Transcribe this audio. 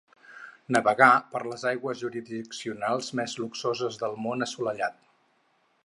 Navegar per les aigües jurisdiccionals més luxoses del món assolellat.